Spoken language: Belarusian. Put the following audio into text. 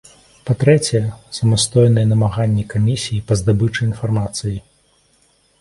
Па-трэцяе, самастойныя намаганні камісіі па здабычы інфармацыі.